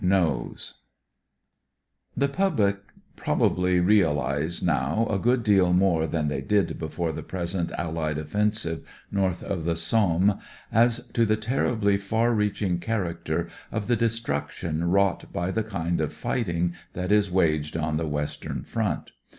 KNOWS The public probably realise now a good deal more than they did before the present Allied offensive north of the Somme, as to the terribly far reaching character of the destruction wrought by the kind of fighting that is waged on the western front.